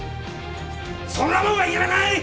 そんなもんはいらない！